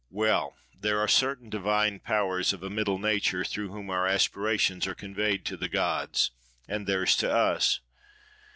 "Well! there are certain divine powers of a middle nature, through whom our aspirations are conveyed to the gods, and theirs to us.